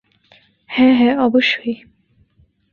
হ্যাঁ, হ্যাঁ অবশ্যই।